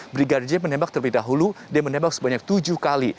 brigadir j menembak terlebih dahulu dan menembak sebanyak tujuh kali